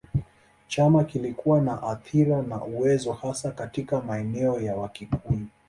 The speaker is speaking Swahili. Chama kilikuwa na athira na uwezo hasa katika maeneo ya Wakikuyu.